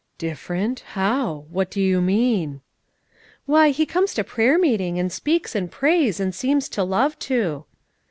"Different how? What do you mean?" "Why, he comes to prayer meeting, and speaks and prays, and seems to love to."